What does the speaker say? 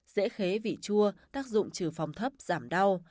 dễ khế vị chua tác dụng trừ phòng thấp giảm đau